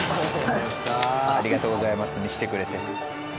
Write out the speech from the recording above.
ありがとうございます見せてくれて。